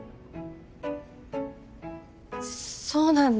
そうなんだ。